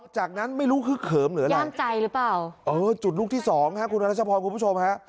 จากนั้นไม่รู้คือเขิมหรืออะไรจุดลูกที่สองคุณรัชพรคุณผู้ชมฮะ